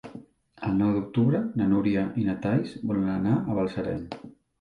El nou d'octubre na Núria i na Thaís volen anar a Balsareny.